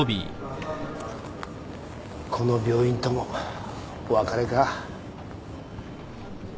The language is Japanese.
この病院ともお別れか。